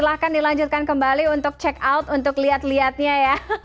silahkan dilanjutkan kembali untuk check out untuk lihat lihatnya ya